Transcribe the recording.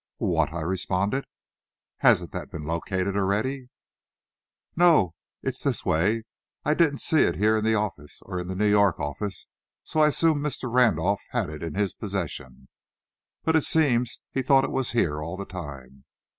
"What!" I responded. "Hasn't that been located already?" "No; it's this way: I didn't see it here in this office, or in the New York office, so I assumed Mr. Randolph had it in his possession. But it seems he thought it was here, all the time.